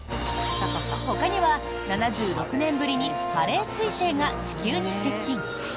ほかには、７６年ぶりにハレー彗星が地球に接近。